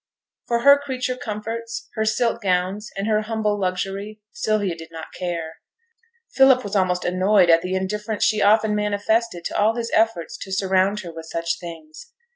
For her creature comforts, her silk gowns, and her humble luxury, Sylvia did not care; Philip was almost annoyed at the indifference she often manifested to all his efforts to surround her with such things.